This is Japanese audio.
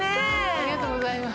ありがとうございます。